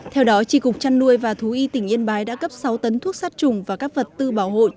theo đó tri cục trăn nuôi và thú y tỉnh yên bái đã cấp sáu tấn thuốc sát trùng và các vật tư bảo hộ